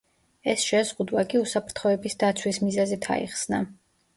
ეს შეზღუდვა კი უსაფრთხოების დაცვის მიზეზით აიხსნა.